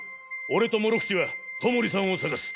俺と諸伏は外守さんを捜す。